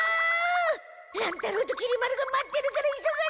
乱太郎ときり丸が待ってるから急がないと！